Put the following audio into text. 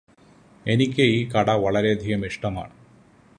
എനിക്ക് ഈ കട വളരെയധികം ഇഷ്ടമാണ്